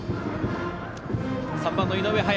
３番の井上駿也